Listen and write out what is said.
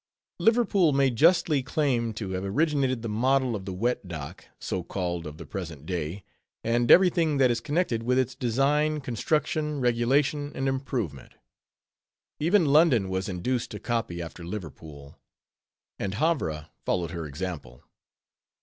Liverpool may justly claim to have originated the model of the "Wet Dock," so called, of the present day; and every thing that is connected with its design, construction, regulation, and improvement. Even London was induced to copy after Liverpool, and Havre followed her example.